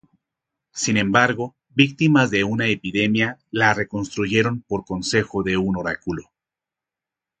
Sin embargo, víctimas de una epidemia, la reconstruyeron por consejo de un oráculo.